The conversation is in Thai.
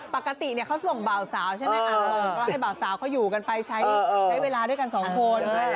ปกติเขาส่งบ่าวสาวใช่ไหมก็ให้เบาสาวเขาอยู่กันไปใช้เวลาด้วยกันสองคน